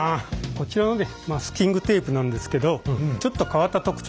こちらのマスキングテープなんですけどちょっと変わった特徴があります。